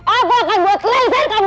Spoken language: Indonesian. aku akan buat laser kamu